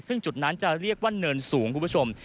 ซึ่งจุดนั้นจะเรียกว่าเนินสูงคุณผู้ชม